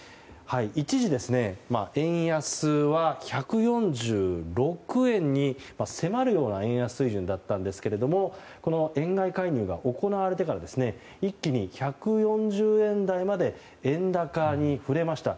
一時、円安は１４６円に迫るような円安水準でしたがこの円買い介入が行われてから一気に１４０円台まで円高に振れました。